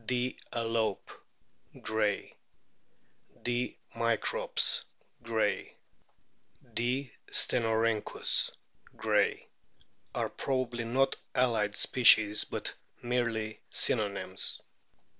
D. a lope, Gray ; D. microps, Gray ; D. stenorhynchiis^ Gray, are probably not allied species, but merely synonyms.